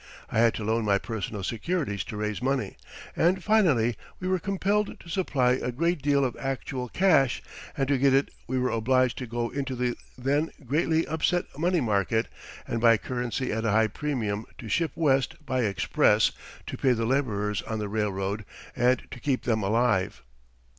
I had to loan my personal securities to raise money, and finally we were compelled to supply a great deal of actual cash, and to get it we were obliged to go into the then greatly upset money market and buy currency at a high premium to ship west by express to pay the labourers on the railroad and to keep them alive.